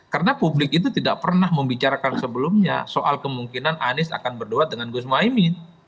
karena publik itu tidak pernah membicarakan sebelumnya soal kemungkinan anies akan berduet dengan gus mohaimi